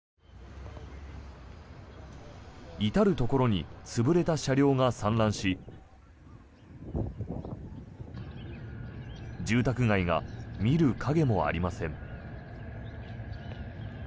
至るところに潰れた車両が散乱し住宅街が見る影もありません。